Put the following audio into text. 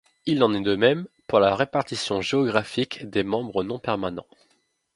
Il en est de même pour la répartition géographique des membres non permanents.